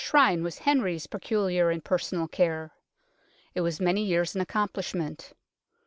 48 UNKNOWN LONDON Shrine was Henry's peculiar and personal care. It was many years in accomplishment.